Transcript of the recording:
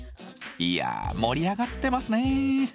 いや盛り上がってますね。